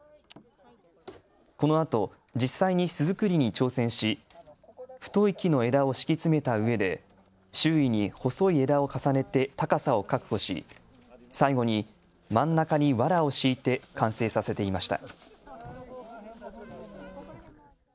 このあと実際に巣作りに挑戦し太い木の枝を敷き詰めたうえで周囲に細い枝を重ねて高さを確保し最後に真ん中にわらを敷いて完成させていました。